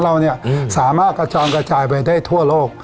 เราเนี่ยสามารถกระชอนกระจายไปได้ทั่วโลก